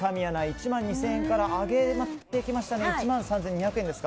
１万２０００円から上げてきまして１万３２００円。